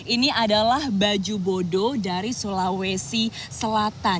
ini adalah baju bodoh dari sulawesi selatan